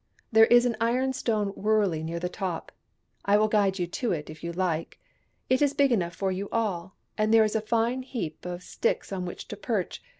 " There is an ironstone wurley near the top — I will guide you to it, if you like. It is big enough for you all, and there is a fine heap of sticks on which to perch.